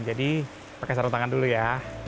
jadi pakai sarung tangan dulu ya